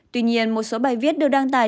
tuy nhiên một số bài viết được đăng tải